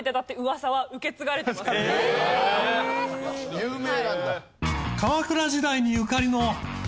有名なんだ。